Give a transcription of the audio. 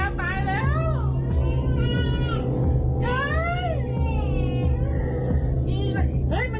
เฮ้ยมันยังหายใจอยู่นะดาว